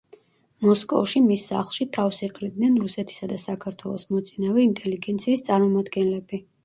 მოსკოვში მის სახლში თავს იყრიდნენ რუსეთისა და საქართველოს მოწინავე ინტელიგენციის წარმომადგენლები.